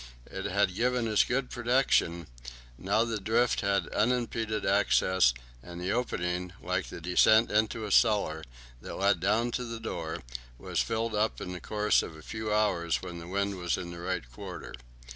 It had given us good protection; now the drift had unimpeded access, and the opening, like the descent into a cellar, that led down to the door, was filled up in the course of a few hours when the wind was in the right quarter.